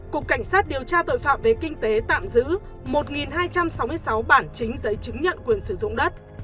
cục cảnh sát điều tra tội phạm về kinh tế tạm giữ một hai trăm sáu mươi sáu bản chính giấy chứng nhận quyền sử dụng đất